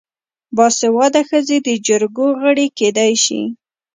باسواده ښځې د جرګو غړې کیدی شي.